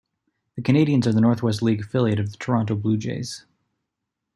The Canadians are the Northwest League affiliate of the Toronto Blue Jays.